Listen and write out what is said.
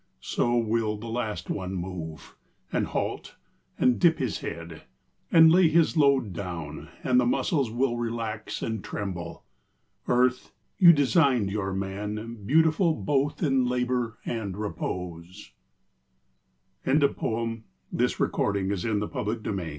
So will the last one move, And halt, and dip his head, and lay his load Down, and the muscles will relax and tremble. .. Earth, you designed your man Beautiful both in labour, and repose. PR.ESJ W. H. SMITH & SON STAMFORD STREET LONDON.